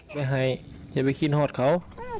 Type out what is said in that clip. อย่าหายอย่าไปคินหอดเขา